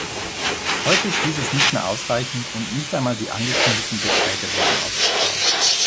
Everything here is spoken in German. Heute ist dieses nicht mehr ausreichend, und nicht einmal die angekündigten Beträge wurden ausgezahlt.